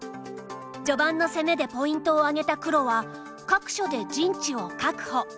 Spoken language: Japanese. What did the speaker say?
序盤の攻めでポイントを挙げた黒は各所で陣地を確保。